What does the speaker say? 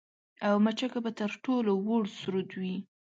او مچکه به تر ټولو وُړ سرود وي